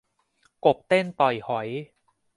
กบเต้นต่อยหอย